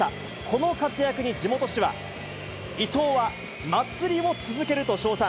この活躍に地元紙は、イトウは祭りを続けると称賛。